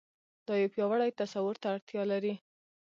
دا يو پياوړي تصور ته اړتيا لري.